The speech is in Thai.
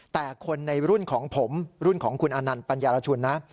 แต่คนในรุ่นของผมรุ่นของคุณอานันต์ปัญญารชุนนะ